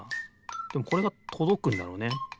でもこれがとどくんだろうね。